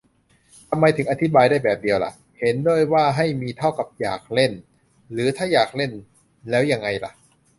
ทำไมถึงอธิบายได้แบบเดียวล่ะ เห็นด้วยว่าให้มี เท่ากับ อยากเล่น ? หรือ ถ้าอยากเล่น แล้วยังไงล่ะ ?